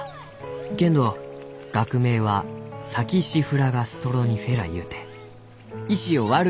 けんど学名はサキシフラガ・ストロニフェラゆうて『石を割る』